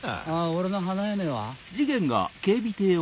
俺の花嫁は？